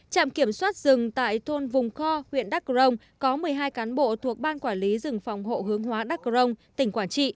trạm kiểm soát rừng tại thôn vùng kho huyện đắc rồng có một mươi hai cán bộ thuộc ban quản lý rừng phòng hộ hướng hóa đắc rồng tỉnh quảng trị